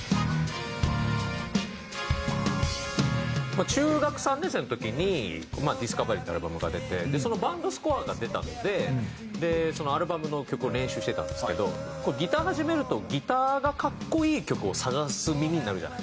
まあ中学３年生の時に『ＤＩＳＣＯＶＥＲＹ』っていうアルバムが出てそのバンドスコアが出たのでそのアルバムの曲を練習してたんですけどギター始めるとギターが格好いい曲を探す耳になるじゃないですか。